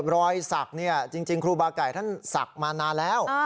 รอยศักดิ์จริงครูบาไก่ท่านศักดิ์มานานแล้ว